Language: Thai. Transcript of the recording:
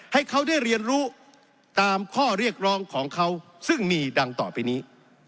ให้เขาได้เรียนรู้ตามข้อเรียกร้องของเขาซึ่งมีดังต่อไปนี้